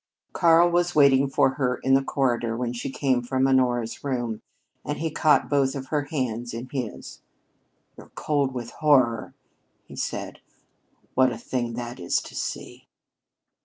Karl was waiting for her in the corridor when she came from Honora's room, and he caught both of her hands in his. "You're cold with horror!" he said. "What a thing that is to see!"